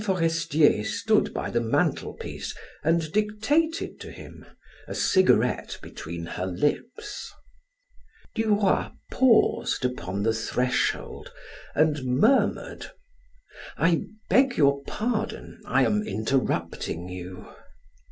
Forestier stood by the mantelpiece and dictated to him, a cigarette between her lips. Duroy paused upon the threshold and murmured: "I beg your pardon, I am interrupting you."